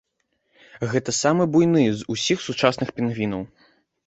Гэта самы буйны з усіх сучасных пінгвінаў.